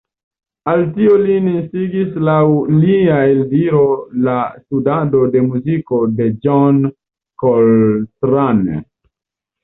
Al tio lin instigis laŭ lia eldiro la studado de muziko de John Coltrane.